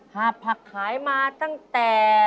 หากผักขายมาตั้งแต่